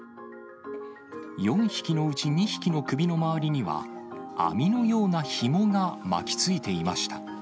４匹のうち２匹の首の周りには、網のようなひもが巻きついていました。